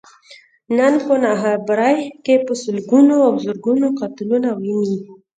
نن په ناخبرۍ کې په سلګونو او زرګونو قتلونه ويني.